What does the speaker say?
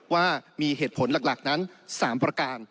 ว่ามีเหตุผลหลักนั้น๓ประการ